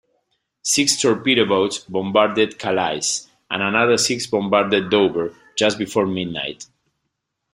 Six torpedo boats bombarded Calais and another six bombarded Dover just before midnight.